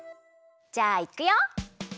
じゃあいくよ！